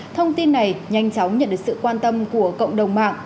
thông tin này nhanh chóng nhận được sự quan tâm của cộng đồng mạng